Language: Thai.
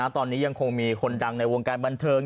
ตอนนี้ยังคงมีคนดังในวงการบันเทิง